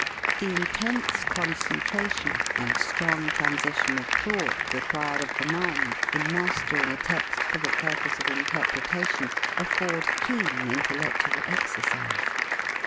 The intense concentra tion and strong transition of thought required of the mind, in mastering a text for the pur pose of interpretation, afford keen intellectual exercise.